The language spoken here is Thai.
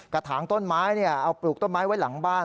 ถางต้นไม้เอาปลูกต้นไม้ไว้หลังบ้าน